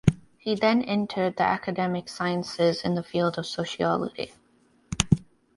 He then entered the academic sciences in the field of sociology.